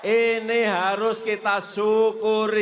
ini harus kita syukuri